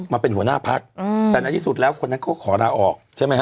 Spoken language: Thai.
มาเป็นหัวหน้าพักแต่ในที่สุดแล้วคนนั้นก็ขอลาออกใช่ไหมฮะ